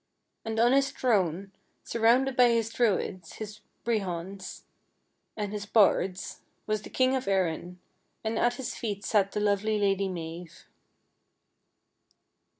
And on his throne, sur rounded by his Druids, his brehons, and his bards, was the king of Erin, and at his feet sat the lovely Lady Mave.